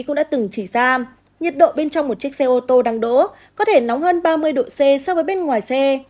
cũng đã từng chỉ ra nhiệt độ bên trong một chiếc xe ô tô đang đỗ có thể nóng hơn ba mươi độ c so với bên ngoài xe